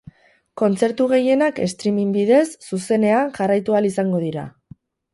Kontzertu gehienak streaming bidez, zuzenean, jarraitu ahal izango dira.